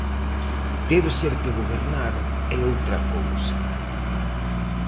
Debe ser que gobernar é outra cousa.